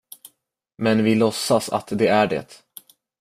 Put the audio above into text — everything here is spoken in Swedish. Men vi låtsas att det är det.